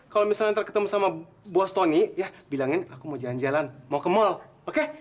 kalau misalnya nanti ketemu sama buas tony ya bilangin aku mau jalan jalan mau ke mall oke